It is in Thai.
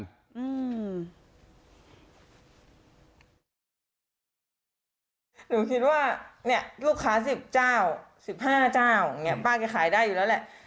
หนูคิดว่าเนี่ยลูกค้า๑๐จ้าว๑๕จ้าวป้าเคยขายได้อยู่แล้วแหละ